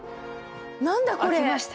何だこれ。